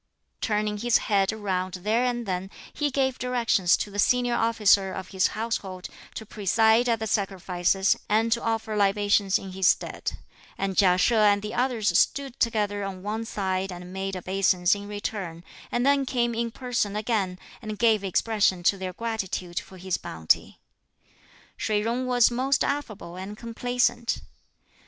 Turning his head round there and then, he gave directions to the senior officer of his household to preside at the sacrifices and to offer libations in his stead; and Chia She and the others stood together on one side and made obeisance in return, and then came in person again and gave expression to their gratitude for his bounty. Shih Jung was most affable and complaisant.